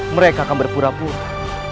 mereka akan berpura pura